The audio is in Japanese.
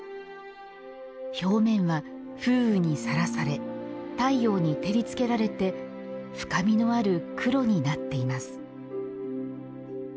表面は風雨にさらされ太陽に照りつけられて深みのある黒になっています。